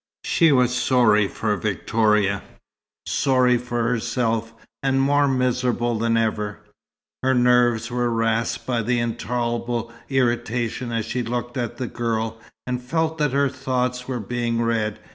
She was sorry for Victoria, sorry for herself, and more miserable than ever. Her nerves were rasped by an intolerable irritation as she looked at the girl, and felt that her thoughts were being read.